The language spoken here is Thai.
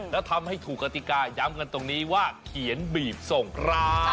แล้วทำให้ถูกกติกาย้ำกันตรงนี้ว่าเขียนบีบส่งครับ